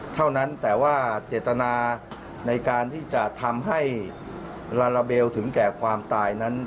เท่านั้นแต่ว่าเจตนาในการที่จะทำให้ลาลาเบลถึงแก่ความตายนั้น